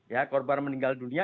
ya korban meninggal dunia